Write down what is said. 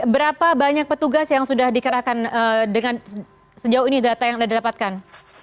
berapa banyak petugas yang sudah dikerahkan dengan sejauh ini data yang anda dapatkan